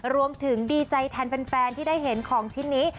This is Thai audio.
ดีใจแทนแฟนที่ได้เห็นของชิ้นนี้